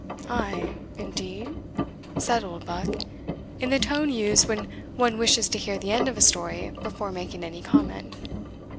"Ay! indeed?" said Oldbuck, in the tone used when one wishes to hear the end of a story before making any comment.